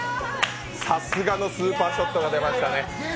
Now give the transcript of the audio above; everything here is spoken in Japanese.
さすがのスーパーショットが出ましたね。